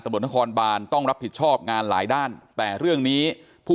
ตำรวจนครบานต้องรับผิดชอบงานหลายด้านแต่เรื่องนี้ผู้